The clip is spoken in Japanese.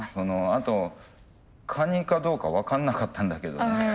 あとカニかどうか分かんなかったんだけどね。